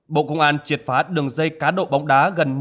bộ công an triệt phát đường dây cá độ bóng đá gần một mươi tỷ đồng